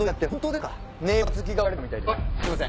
すみません。